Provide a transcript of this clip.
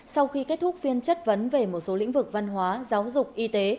sau khi kết thúc phiên chất vấn về một số lĩnh vực văn hóa giáo dục y tế